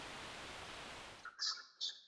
هغه ډاکټر چې پوه دی ګټور دی.